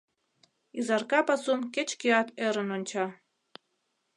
Изарка пасум кеч-кӧат ӧрын онча.